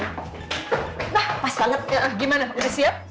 nah pas banget gimana udah siap